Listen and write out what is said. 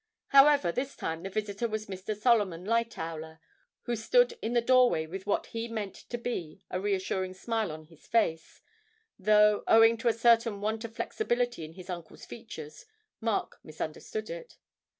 However, this time the visitor was Mr. Solomon Lightowler, who stood in the doorway with what he meant to be a reassuring smile on his face though, owing to a certain want of flexibility in his uncle's features, Mark misunderstood it.